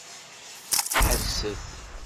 Ḥesset!